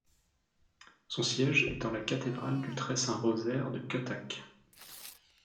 Son siège est en la Cathédrale du Très Saint Rosaire de Cuttack.